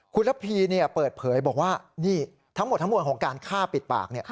คุณรับพีเปิดเผยบอกว่าทั้งหมดของการฆ่าปิดปาก